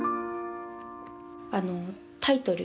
あのタイトル。